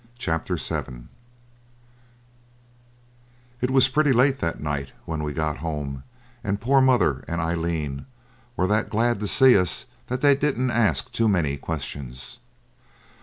Chapter 7 It was pretty late that night when we got home, and poor mother and Aileen were that glad to see us that they didn't ask too many questions.